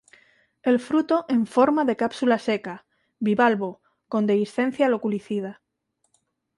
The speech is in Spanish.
El fruto en forma de cápsula seca, bivalvo con dehiscencia loculicida.